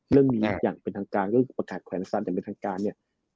เรื่องนี้อย่างเป็นทางการเรื่องประกาศแขวนสตัฐส์อย่างเป็นทางการเนี่ย